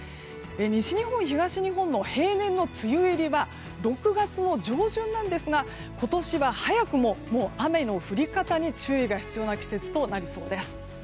西日本、東日本の平年の梅雨入りは６月の上旬なんですが今年は早くも雨の降り方に注意が必要な季節となりそうです。